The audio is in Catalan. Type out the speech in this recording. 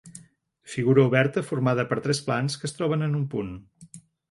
Figura oberta formada per tres plans que es troben en un punt.